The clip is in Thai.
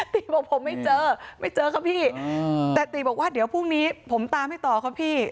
ติบอกผมไม่เจอไม่เจอครับพี่แต่ติบอกว่าเดี๋ยวพรุ่งนี้ผมตามให้ต่อครับพี่